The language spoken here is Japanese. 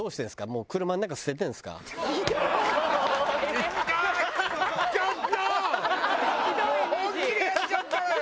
もう本気でやっちゃったわよ